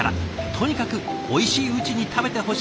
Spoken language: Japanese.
とにかくおいしいうちに食べてほしい。